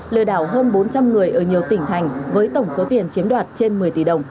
lừa đảo hơn bốn trăm linh người ở nhiều tỉnh thành với tổng số tiền chiếm đoạt trên một mươi tỷ đồng